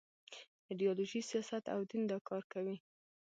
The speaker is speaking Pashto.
ایډیالوژي، سیاست او دین دا کار کوي.